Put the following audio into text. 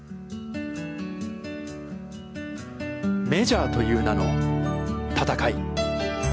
メジャーという名の戦い。